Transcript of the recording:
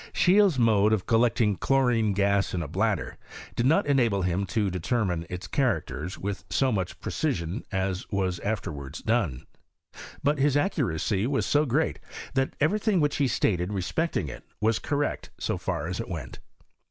Scheeie's mode of col lecting chlorine gas in a bladder, did not enable him to determine its characters with so much precision as was afterwards done. But his accuracy was so great, that every thing which he stated respecting it was correct so far as it went.